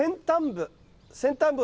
先端部。